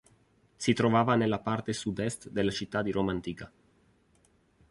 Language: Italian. Si trovava nella parte Sud-Est della città di Roma antica.